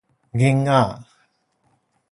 囡仔